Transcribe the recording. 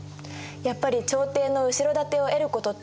やっぱり朝廷の後ろ盾を得ることって大事なんだね。